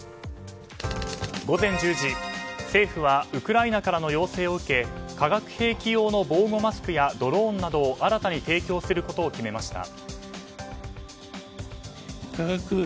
午前１０時、政府はウクライナからの要請を受け化学兵器用の防護マスクやドローンなどを新たに提供することを決めました。